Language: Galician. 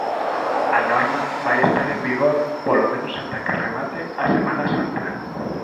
A norma vai estar en vigor polo menos ata que remate a Semana Santa.